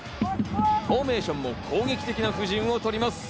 フォーメーションも攻撃的な布陣を取ります。